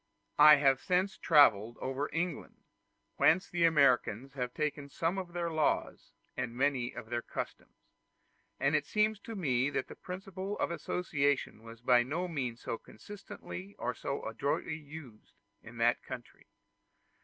I have since travelled over England, whence the Americans have taken some of their laws and many of their customs; and it seemed to me that the principle of association was by no means so constantly or so adroitly used in that country.